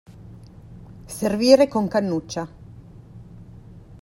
Servire con cannuccia.